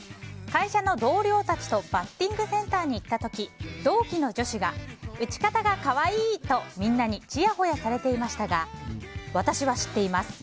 会社の同僚たちとバッティングセンターに行った時同期の女子が、打ち方が可愛いとみんなにちやほやされていましたが私は知っています。